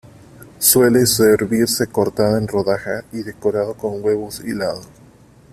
Suele servirse cortada en rodajas y decorado con huevo hilado.